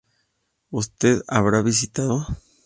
Usted habrá visitado